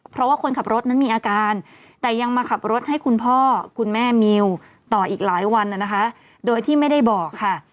เพราะว่าคนขับรถนั้นมีอาการแต่ยังมาขับรถให้คุณพ่อคุณแม่มิวต่ออีกหลายวันนะคะโดยที่ไม่ได้บอกค่ะ